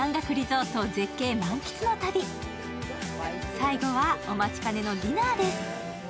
最後は、お待ちかねのディナーです。